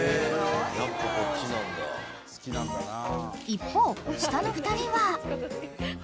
［一方下の２人は］